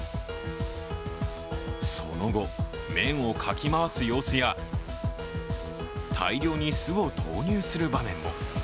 その後、麺をかき回す様子や大量に酢を投入する場面も。